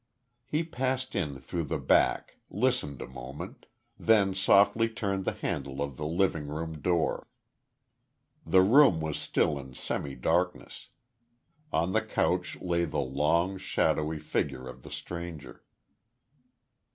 He passed in through the back, listened a moment, then softly turned the handle of the living room door. The room was still in semi darkness. On the couch lay the long, shadowy figure of the stranger.